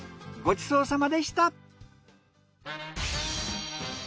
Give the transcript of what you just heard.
ごちそうさまでした。